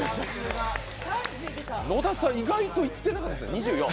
野田さん、意外といってなかったですよ、２４。